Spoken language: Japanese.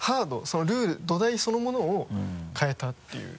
そのルール土台そのものを変えたっていう。